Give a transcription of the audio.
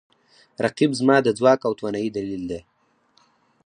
رقیب زما د ځواک او توانایي دلیل دی